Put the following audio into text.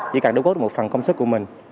chỉ cần đối gốc được một phần công sức của mình